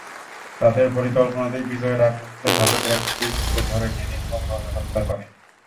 তাঁদের পরিকল্পনাতেই বিজয়ের আগমুহূর্তে ঘাতকেরা বুদ্ধিজীবীদের ধরে নিয়ে নির্মমভাবে হত্যা করে।